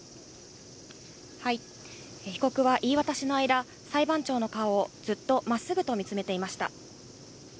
被告は言い渡しの間、裁判長の顔をずっとまっすぐと見つめていました。